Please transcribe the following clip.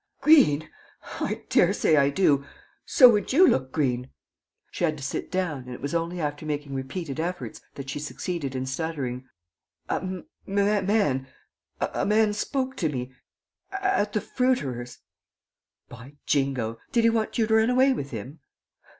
"Green? I dare say I do. So would you look green...." She had to sit down and it was only after making repeated efforts that she succeeded in stuttering: "A man ... a man spoke to me ... at the fruiterer's." "By jingo! Did he want you to run away with him?"